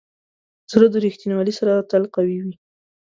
زړه د ریښتینولي سره تل قوي وي.